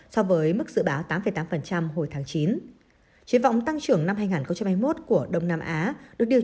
so với mức dự báo tám tám hồi tháng chín triển vọng tăng trưởng năm hai nghìn hai mươi một của đông nam á được điều